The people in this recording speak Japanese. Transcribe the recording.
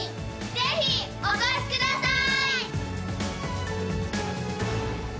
ぜひお越しください！